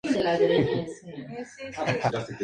Tiene patas cortas, rojas, el pico negro y los ojos rojos.